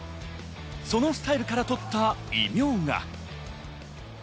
そのスタイルから取った異名が。